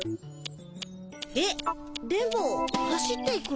えっ電ボ走っていくの？